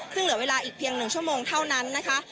ซึ่งเหลือเวลาอีกเพียง๑ชั่วโมงเท่านั้นนะคะ